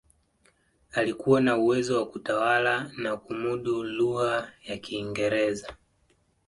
alikuwa na uwezo wa kutawala na kumudu lugha ya kiingereza